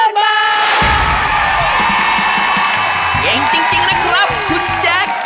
เก่งจริงนะครับคุณแจ๊ค